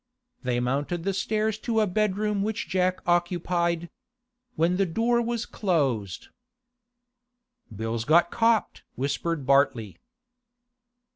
They mounted the stairs to a bedroom which Jack occupied. When the door was closed: 'Bill's got copped!' whispered Bartley.